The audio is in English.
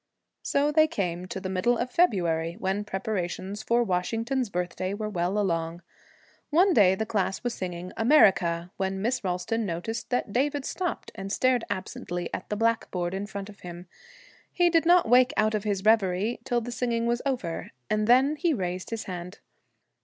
So they came to the middle of February, when preparations for Washington's Birthday were well along. One day the class was singing 'America,' when Miss Ralston noticed that David stopped and stared absently at the blackboard in front of him. He did not wake out of his reverie till the singing was over, and then he raised his hand.